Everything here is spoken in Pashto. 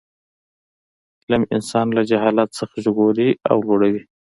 علم انسان له جهالت څخه ژغوري او لوړوي.